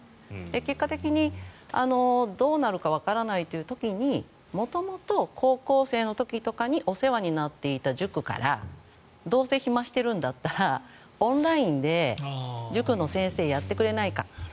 結果的にどうなるかわからないという時に元々、高校生の時とかにお世話になっていた塾からどうせ暇してるんだったらオンラインで塾の先生をやってくれないかと。